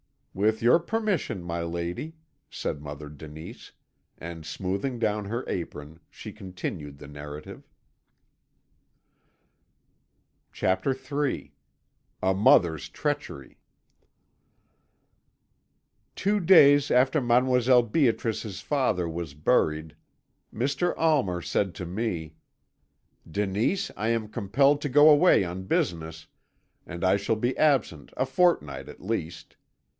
"With your permission, my lady," said Mother Denise, and smoothing down her apron, she continued the narrative. CHAPTER III A MOTHER'S TREACHERY "Two days after Mdlle. Beatrice's father was buried, Mr. Almer said to me: "'Denise, I am compelled to go away on business, and I shall be absent a fortnight at least.